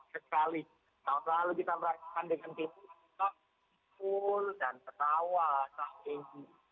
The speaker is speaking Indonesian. kehabisan prajurita ini yang permit asuk